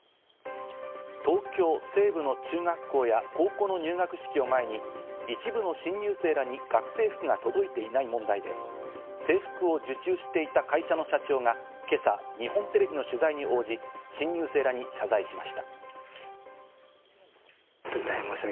東京西部の中学校や高校の入学式を前に一部の新入生らに学生服が届いていない問題で、制服を受注していた会社の社長が今朝、日本テレビの取材に応じ、新入生らに謝罪しました。